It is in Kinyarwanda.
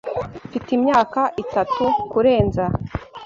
Mfite imyaka itatu kurenza .